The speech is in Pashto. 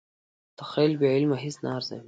تخیل بې عمله هیڅ نه ارزوي.